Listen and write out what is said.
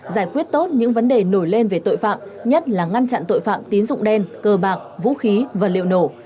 giải quyết tốt những vấn đề nổi lên về tội phạm nhất là ngăn chặn tội phạm tín dụng đen cờ bạc vũ khí và liệu nổ